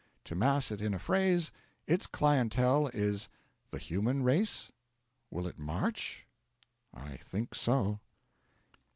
To mass it in a phrase, its clientele is the Human Race? Will it march? I think so.